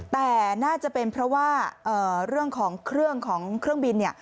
แต่น่าจะเป็นเพราะว่าเรื่องของเครื่องของเครื่องบินเนี่ย